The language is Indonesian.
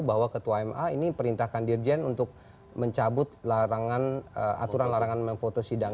bahwa ketua ma ini perintahkan dirjen untuk mencabut aturan larangan memfoto sidang